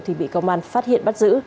thì bị công an phát hiện bắt giữ